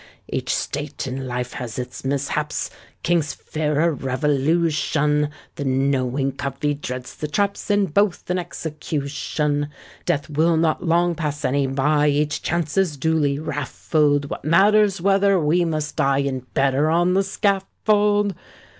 Each state in life has its mishaps:— Kings fear a revolution; The knowing covey dreads the traps— And both an execution. Death will not long pass any by— Each chance is duly raffled; What matters whether we must die In bed or on the scaffold?